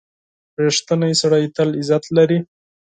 • رښتینی سړی تل عزت لري.